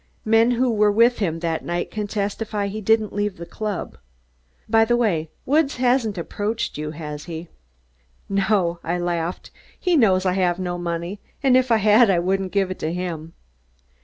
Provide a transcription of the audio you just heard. Men who were with him that night can testify he didn't leave the club. By the way, Woods hasn't approached you, has he?" "No," I laughed, "he knows I have no money, and if I had I wouldn't give it to him."